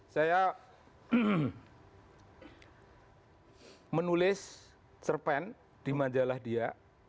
saya menulis cerpen di majalah dia